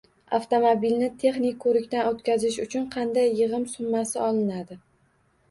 Avtomobilni texnik ko‘rikdan o‘tkazish uchun qanday yig‘im summasi olinadi?